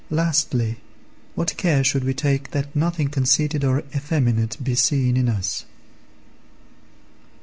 Lastly, what care should we take that nothing conceited or effeminate be seen in us?